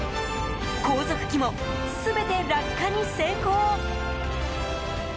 後続機も、全て落下に成功。